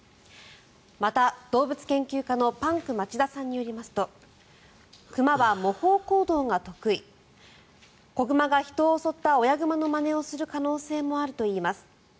また、動物研究家のパンク町田さんによりますと熊は模倣行動が得意子熊が人を襲った親熊のまねをする可能性もあるといいます。